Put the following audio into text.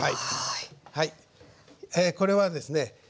これはですね